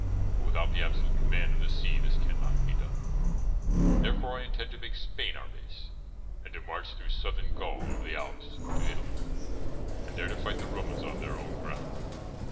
But without the absolute command of the sea this cannot be done. Therefore I intend to make Spain our base, and to march through Southern Gaul over the Alps into Italy, and there to fight the Romans on their own ground.